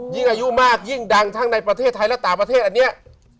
อายุมากยิ่งดังทั้งในประเทศไทยและต่างประเทศอันนี้